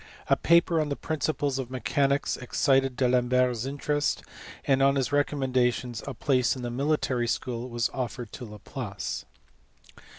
A paper on the principles of mechanics excited D Alembert s interest, and on his recommendation a place in the military school was offered to Laplace.